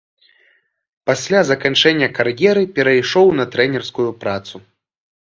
Пасля заканчэння кар'еры перайшоў на трэнерскую працу.